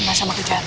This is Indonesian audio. masa mau kejarannya